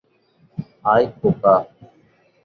আয়, খোকা।